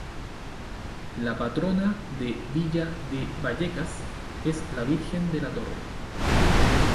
La Patrona de Villa de Vallecas es la Virgen de la Torre.